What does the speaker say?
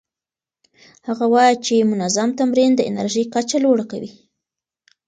هغه وايي چې منظم تمرین د انرژۍ کچه لوړه کوي.